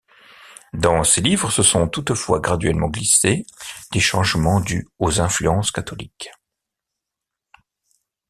Dans ces livres se sont toutefois graduellement glissés des changements dus aux influences catholiques.